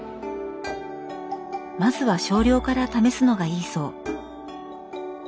まずは少量から試すのがいいそう。